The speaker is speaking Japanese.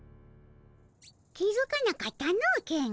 気付かなかったのケン。